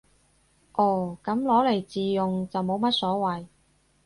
哦，噉攞嚟自用就冇乜所謂